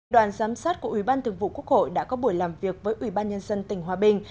đoàn giám sát của ủy ban thường vụ quốc hội đã có buổi làm việc với ủy ban nhân dân tỉnh hòa bình